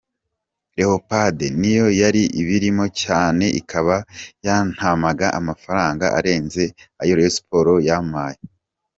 Leopards niyo yari ibirimo cyane ikaba yanampaga amafaranga arenze ayo Rayon Sports yampaye.